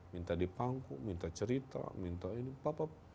minta di pangkuk minta cerita minta ini apa apa